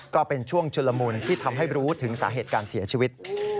ก็เป็นช่วงชุลมุนที่ทำให้รู้ถึงสาเหตุการเสียชีวิต